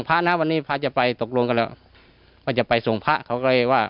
พระนะวันนี้พระจะไปตกลงกันแล้วว่าจะไปส่งพระเขาก็เลยว่า